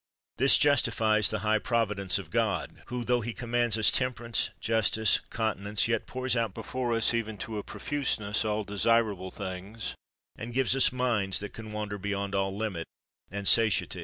This justifies the high providence of God, who, tho He commands us temperance, justice, con tinence, yet pours out before us, even to a pro fuseness, all desirable things, and gives us minds that can wander beyond all limit and satiety.